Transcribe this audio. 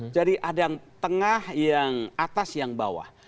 jadi ada yang tengah yang atas yang bawah